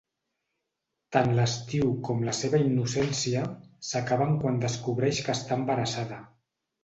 Tant l’estiu com la seva innocència s’acaben quan descobreix que està embarassada.